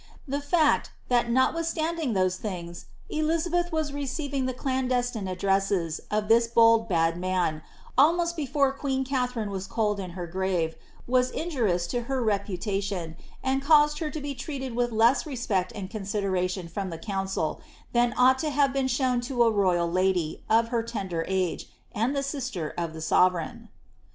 The foct, that, not* withstanding those things, Elizabeth was receiving the clandestine ad« dresses of this bold bad man, almost before queen ELatharine was cold in her grave, was injurious to her reputation, and caused her to be treated with less respect and consideration from the council, than ought to have been shown to a royal lady, of her tender age, and the sister of the sovereign.